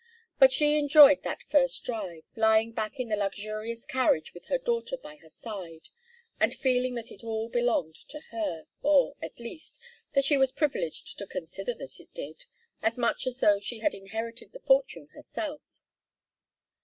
But she enjoyed that first drive, lying back in the luxurious carriage with her daughter by her side, and feeling that it all belonged to her, or, at least, that she was privileged to consider that it did, as much as though she had inherited the fortune herself.